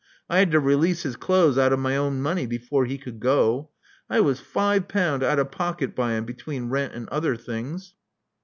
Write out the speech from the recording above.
I had to release his clothes out of my own money before he could go. I was five pound out of pocket by him, between rent and other things.